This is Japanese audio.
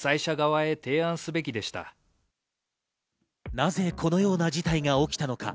なぜ、このような事態が起きたのか。